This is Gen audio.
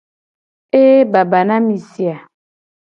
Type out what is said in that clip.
Eeeeee baba na mi si a.